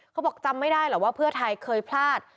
เขาบอกจำไม่ได้หรอกว่าเพื่อไทยเคยพลาด